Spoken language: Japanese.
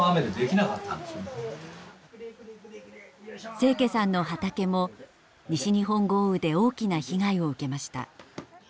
清家さんの畑も西日本豪雨で大きな被害を受けました。